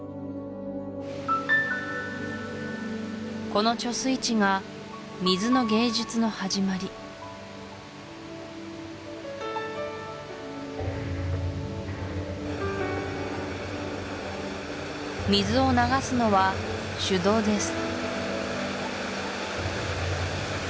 この貯水池が水の芸術のはじまり水を流すのは手動です